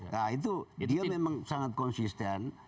nah itu dia memang sangat konsisten